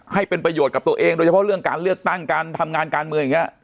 ให้เป็นประโยชน์กับตัวเองโดยเฉพาะเรื่องการเลือกตั้งการทำงานการเมืองอย่างนี้